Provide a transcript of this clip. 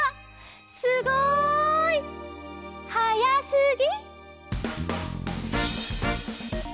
すごい！はやすぎ。